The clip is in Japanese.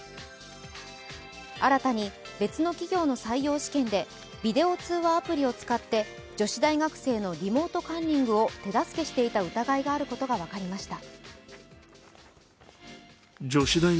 新たに、別の企業の採用試験でビデオ通話アプリを使って女子大学生のリモートカンニングを手助けしていた疑いがあることが分かりました。